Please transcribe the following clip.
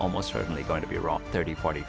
akan hampir tidak berakhir